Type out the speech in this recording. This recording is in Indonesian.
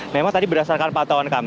memang tadi berdasarkan patauannya